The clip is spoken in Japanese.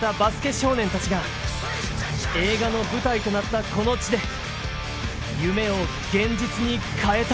少年たちが映画の舞台となったこの地で夢を現実に変えた。